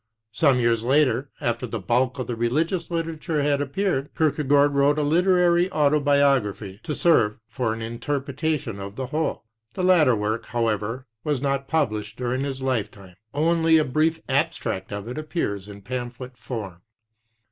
Some years later, after the bulk of the religious literature had appeared, Kierke gaard wrote a literary autobiography to serve for ah interpre tation of the whole. The latter work, however, was not published during his lifetime, only a brief abstract of it appear ing in pamphlet form.